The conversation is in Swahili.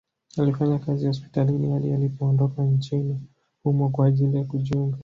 Alifanya kazi hospitalini hadi alipoondoka nchini humo kwa ajili ya kujiunga